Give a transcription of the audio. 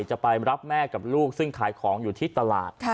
จะไปรับแม่กับลูกซึ่งขายของอยู่ที่ตลาด